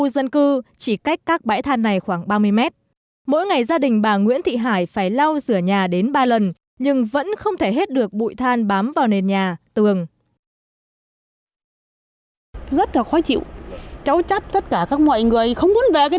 tất cả các mọi người không muốn về cái nơi này làm gì cả bến mắt rất là bến